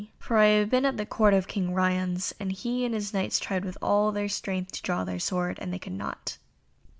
For I have been at the Court of King Ryons, and he and his Knights tried with all their strength to draw the sword and they could not."